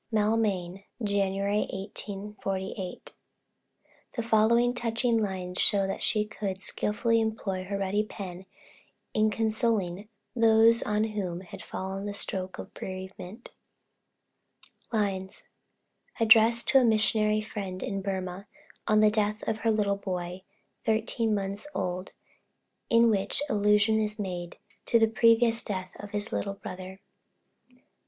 Maulmain, January, 1848. The following touching lines show that she could skilfully employ her ready pen in consoling those on whom had fallen the stroke of bereavement: LINES _Addressed to a missionary friend in Burmah on the death of her little boy, thirteen months old, in which allusion is made to the previous death of his little brother.